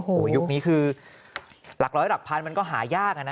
โอ้โหยุคนี้คือหลักร้อยหลักพันมันก็หายากอะนะ